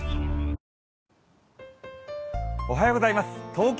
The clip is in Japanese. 東京